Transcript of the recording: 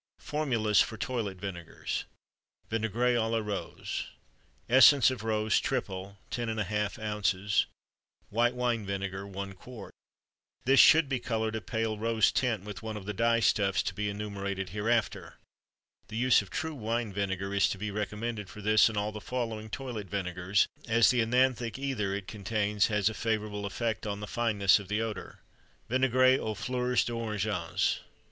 FORMULAS FOR TOILET VINEGARS. VINAIGRE A LA ROSE. Essence of rose (triple) 10½ oz. White wine vinegar 1 qt. This should be colored a pale rose tint with one of the dye stuffs to be enumerated hereafter. The use of true wine vinegar is to be recommended for this and all the following toilet vinegars, as the œnanthic ether it contains has a favorable effect on the fineness of the odor. VINAIGRE AUX FLEURS D'ORANGES.